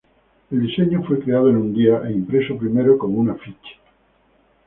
El diseño fue creado en un día e impreso primero como un afiche.